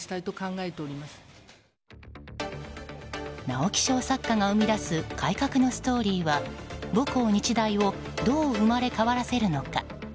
直木賞作家が生み出す改革のストーリーは母校・日大をどう生まれ変わらせるのか。